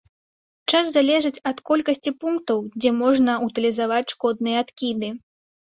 Час залежыць ад колькасці пунктаў, дзе можна ўтылізаваць шкодныя адкіды.